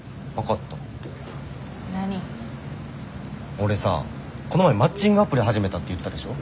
俺さこの前マッチングアプリ始めたって言ったでしょ？